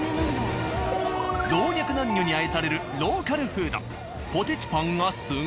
老若男女に愛されるローカルフード。